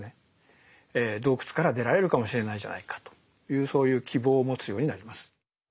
洞窟から出られるかもしれないじゃないかというそういう希望を持つようになります。